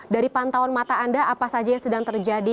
dari pantauan mata anda apa saja yang sedang terjadi